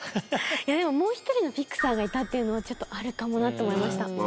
でももう１人のフィクサーがいたっていうのはちょっとあるかもなと思いました。